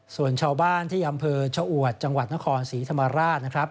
ส่วนชาวบ้านที่อำเภอชะอวดจังหวัดนครศรีธรรมราชนะครับ